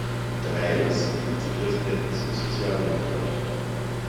Drei der sieben Vizepräsidenten sind Sozialdemokraten.